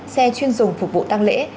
xe chuyên dùng phục vụ tăng lễ